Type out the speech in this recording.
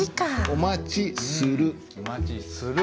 「お待ちする」。